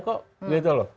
kok gitu loh